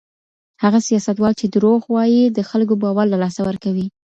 هغه سياستوال چي درواغ وايي د خلګو باور له لاسه ورکوي.